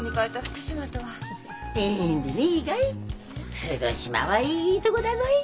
福島はいいとこだぞい。